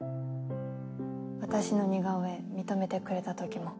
私の似顔絵認めてくれた時も。